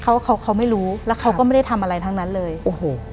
เขาเขาเขาไม่รู้แล้วเขาก็ไม่ได้ทำอะไรทั้งนั้นเลยโอ้โห